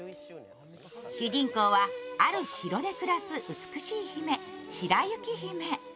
主人公はある城で暮らす美しい姫、白雪姫。